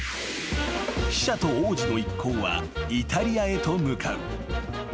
［記者と王子の一行はイタリアへと向かう］